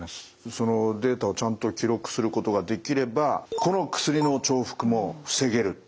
そのデータをちゃんと記録することができれば薬の重複も防げるという。